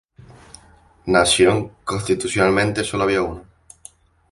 Nación, constitucionalmente, solo había una.